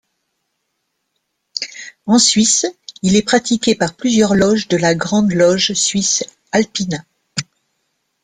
En Suisse, il est pratiqué par plusieurs loges de la Grande Loge suisse Alpina.